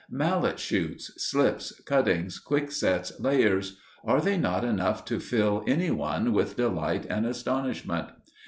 Mallet shoots, slips, cuttings, quicksets, layers are they not enough to fill anyone with delight and astonishment?